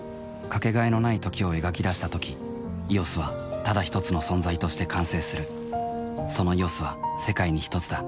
かけがえのない「時」を描き出したとき「ＥＯＳ」はただひとつの存在として完成するその「ＥＯＳ」は世界にひとつだ